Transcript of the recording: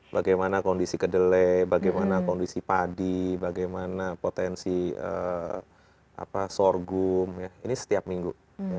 bagaimana kondisi kedele bagaimana kondisi padi bagaimana potensi sorghum ini setiap minggu